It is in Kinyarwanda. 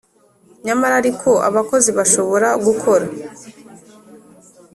Nyamara ariko abakozi bashobora gukora